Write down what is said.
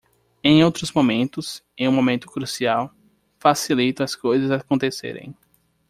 Em outros momentos? em um momento crucial? Facilito as coisas acontecerem.